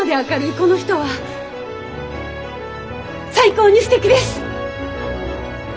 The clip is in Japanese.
この人は最高にすてきです！